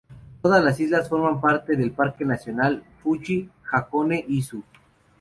Todas las islas forman parte del Parque Nacional Fuji-Hakone-Izu.